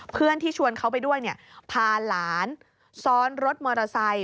เพื่อนที่ชวนเขาไปด้วยพาหลานซ้อนรถมอเตอร์ไซค